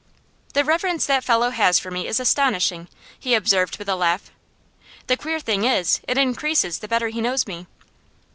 'The reverence that fellow has for me is astonishing,' he observed with a laugh. 'The queer thing is, it increases the better he knows me.